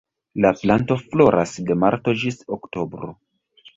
La planto floras de marto ĝis oktobro.